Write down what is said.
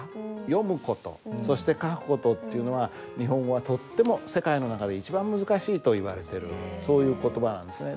読む事そして書く事っていうのは日本語はとっても世界の中で一番難しいといわれてるそういう言葉なんですね。